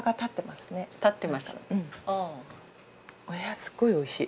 すごいおいしい。